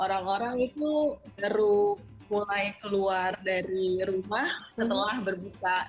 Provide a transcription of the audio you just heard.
orang orang itu baru mulai keluar dari rumah setelah berbuka